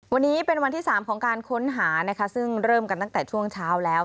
วันนี้เป็นวันที่๓ของการค้นหานะคะซึ่งเริ่มกันตั้งแต่ช่วงเช้าแล้ว